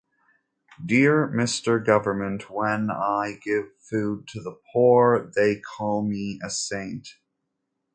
Dear Mr. GovernmentWhen I give food to the poor, they call me a saint.